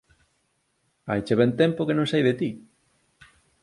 Haiche ben tempo que non sei de ti